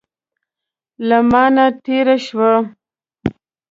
له مانه تېره شوه.